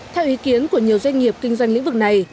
theo ý kiến của nhiều doanh nghiệp kinh doanh lĩnh vực này